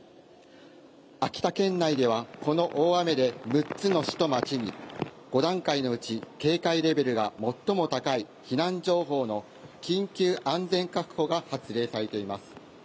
秋田県内ではこの大雨で６つの市と町に５段階のうち警戒レベルが最も高い避難情報の緊急安全確保が発令されています。